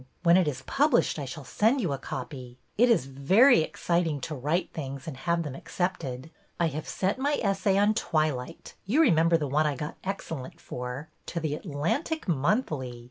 When it is published I shall send you a copy. It is very excit ing to write things and have them accepted. I have sent my essay on Twilight "— you remem ber the one I got ''excellent" for — to The Atlantic Monthly.